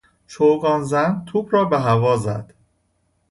چوگانزن توپ را به هوا زد.